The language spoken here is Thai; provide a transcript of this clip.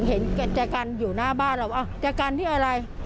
เห็นแก่กันอยู่หน้าบ้านเราว่าจะกันที่อะไร